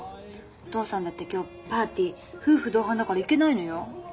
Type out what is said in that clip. お父さんだって今日パーティー夫婦同伴だから行けないのよ。